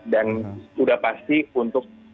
dan sudah pasti untuk